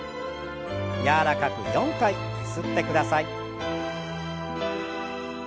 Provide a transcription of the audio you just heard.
柔らかく４回ゆすってください。